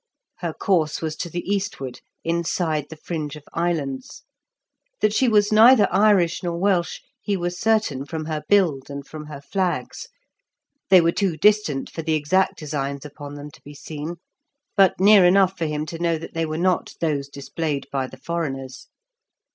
Her course was to the eastward, inside the fringe of islands. That she was neither Irish nor Welsh he was certain from her build and from her flags; they were too distant for the exact designs upon them to be seen, but near enough for him to know that they were not those displayed by the foreigners.